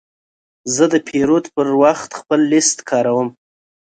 زه د پیرود پر وخت خپل لیست کاروم.